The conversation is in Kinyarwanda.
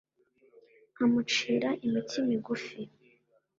Nkamucira iminsi migufi